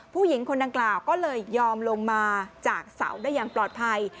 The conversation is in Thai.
ผู้หญิงคนดังกล่าวก็เลยยอมลงมาจากเสาได้อย่างปลอดภัย